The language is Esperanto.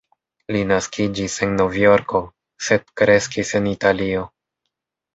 Li naskiĝis en Novjorko, sed kreskis en Italio.